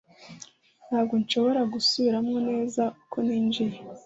Ntabwo nshobora gusubiramo neza uko ninjiye